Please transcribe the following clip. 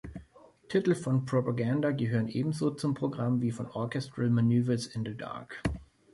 Titel von Propaganda gehören ebenso zum Programm wie von Orchestral Manoeuvres in the Dark.